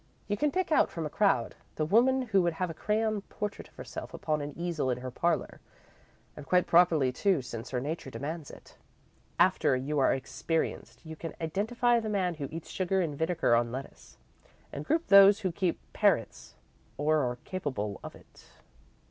You can pick out, from a crowd, the woman who would have a crayon portrait of herself upon an easel in her parlour, and quite properly, too, since her nature demands it. After you are experienced, you can identify the man who eats sugar and vinegar on lettuce, and group those who keep parrots or are capable of it."